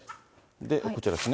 こちらですね。